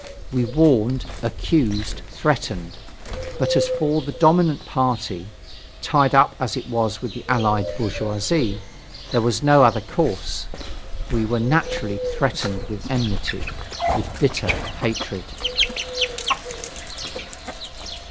We warned, accused, threatened. But as for the dominant party, tied up as it was with the Allied bourgeoisie, there was no other course; we were naturally threatened with enmity, with bitter hatred.